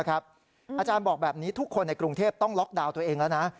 อาจารย์บอกแบบนี้ทุกคนในกรุงเทพต้องล็อกดาวน์ตัวเองแล้วนะ